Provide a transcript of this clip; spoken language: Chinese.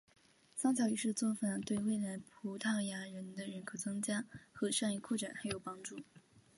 桑乔一世的做法对未来葡萄牙的人口增加和商业扩展很有帮助。